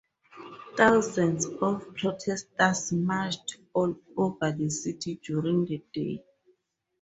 Thousands of protesters marched all over the city during the day.